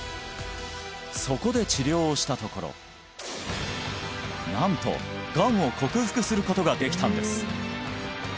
そこで治療をしたところなんとがんを克服することができたんです